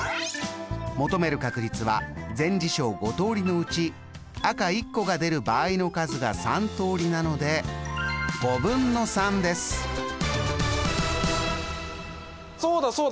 求める確率は全事象５通りのうち赤１個が出る場合の数が３通りなのでそうだそうだ